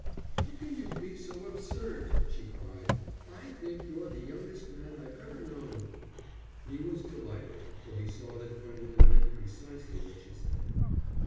"How can you be so absurd!" she cried. "I think you're the youngest man I've ever known." He was delighted, for he saw that Gwendolen meant precisely what she said.